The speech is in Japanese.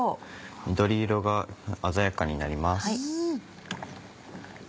緑色が鮮やかになります。